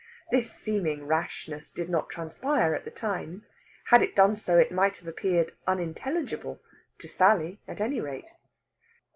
This seeming rashness did not transpire at the time; had it done so, it might have appeared unintelligible to Sally, at any rate.